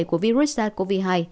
của virus sars cov hai